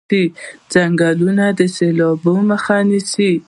ځنګلونه د سیلاب مخه نیسي.